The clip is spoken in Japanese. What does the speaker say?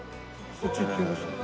そっち行ってみましょうか？